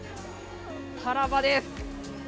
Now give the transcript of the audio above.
タラバです。